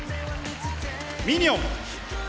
ミニョン。